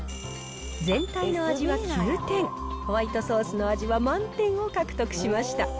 全体の味は９点、ホワイトソースの味は満点を獲得しました。